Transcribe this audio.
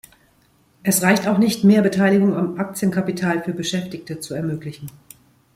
Es reicht auch nicht, mehr Beteiligung am Aktienkapital für Beschäftigte zu ermöglichen.